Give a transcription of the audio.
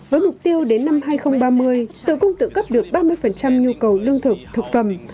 với mục tiêu đến năm hai nghìn ba mươi tự cung tự cấp được ba mươi nhu cầu lương thực thực phẩm